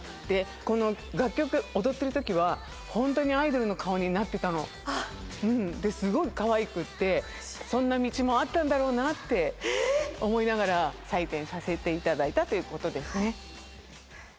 でこの楽曲踊ってるときはホントに。ですごいかわいくってそんな道もあったんだろうなって思いながら採点させていただいたということですね。